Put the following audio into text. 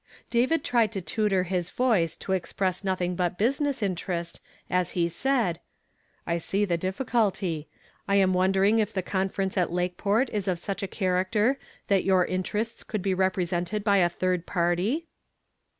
David tried to tutor his voice to express nothing but business interest as he said, —"[ see the difficulty. I am wondering if the conference at Lakeport is of such a character that your interests could be represented i)y a tliii d party